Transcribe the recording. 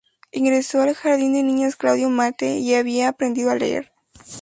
Ingresó al Jardín de niños Claudio Matte, ya había aprendido a leer.